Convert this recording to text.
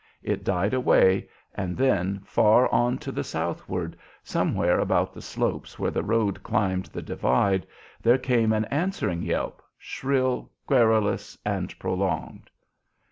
It died away, and then, far on to the southward, somewhere about the slopes where the road climbed the divide, there came an answering yelp, shrill, querulous, and prolonged.